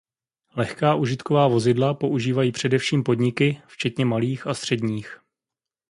Lehká užitková vozidla používají především podniky, včetně malých a středních.